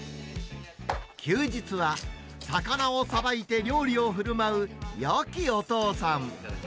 休日は、魚をさばいて料理をふるまうよきお父さん。